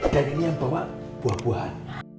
dan ini yang bawa buah buahan